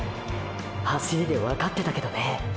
走りでわかってたけどね！